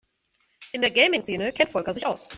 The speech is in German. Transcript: In der Gaming-Szene kennt Volker sich aus.